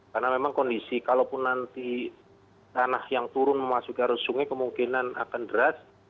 karena memang kondisi kalaupun nanti tanah yang turun memasuki arah sungai kemungkinan akan deras